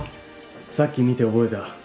さっき見て覚えた。